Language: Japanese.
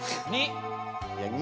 ２。